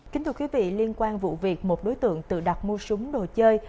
kính thưa quý vị liên quan vụ việc một đối tượng tự đặt mua súng đồ chơi